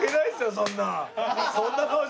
そんな。